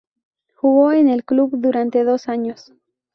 Jugó en el club durante dos años.